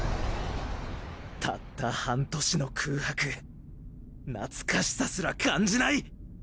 たった半年の空白懐かしさすら感じない！